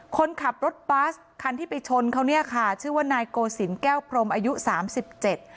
คนขับรถบัสคันที่ไปชนเขาเนี่ยค่ะชื่อว่านายโกศิลป์แก้วพรมอายุสามสิบเจ็ด